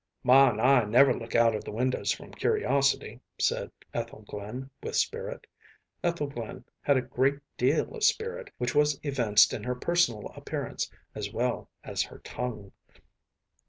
“Ma and I never look out of the windows from curiosity,‚ÄĚ said Ethel Glynn, with spirit. Ethel Glynn had a great deal of spirit, which was evinced in her personal appearance as well as her tongue.